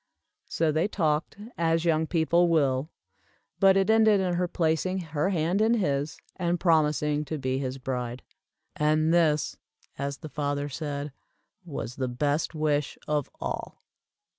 So they talked, as young people will, but it ended in her placing her hand in his, and promising to be his bride. "And this," as the father said, "was the best wish of all."